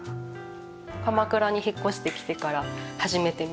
鎌倉に引っ越してきてから始めてみました。